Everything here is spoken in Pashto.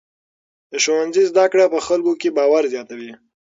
د ښوونځي زده کړې په خلکو کې باور زیاتوي.